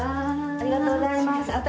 ありがとうございます。